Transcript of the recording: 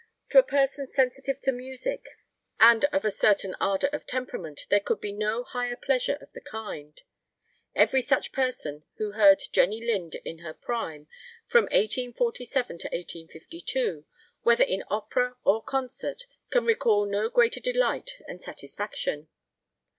To a person sensitive to music and of a certain ardor of temperament there could be no higher pleasure of the kind. Every such person who heard Jenny Lind in her prime, from 1847 to 1852, whether in opera or concert, can recall no greater delight and satisfaction.